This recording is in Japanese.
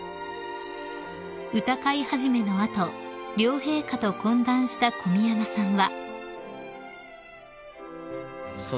［歌会始の後両陛下と懇談した小宮山さんは］